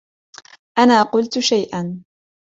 أنا قلت شيئا.